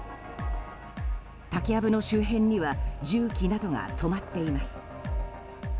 竹やぶの周辺には重機などが止まっています。